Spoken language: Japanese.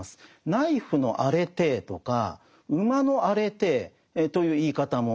ナイフのアレテーとか馬のアレテーという言い方もあるんです。